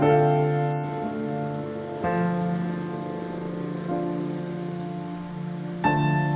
ini juga kan